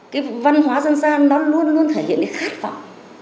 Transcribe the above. cái văn hóa dân gian nó luôn luôn thể hiện cái khát vọng